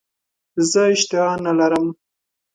زه اشتها نه لرم .